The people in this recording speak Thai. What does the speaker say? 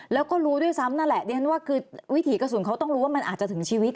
แล้วก็รู้ด้วยซ้ำนั่นแหละดิฉันว่าคือวิถีกระสุนเขาต้องรู้ว่ามันอาจจะถึงชีวิต